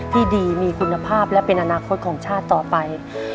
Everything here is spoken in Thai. ที่ดีมีคุณภาพและเป็นอนาคตของชาติต่อไป